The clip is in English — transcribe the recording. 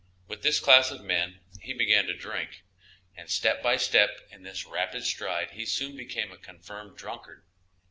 With this class of men he began to drink, and step by step in this rapid stride he soon became a confirmed drunkard.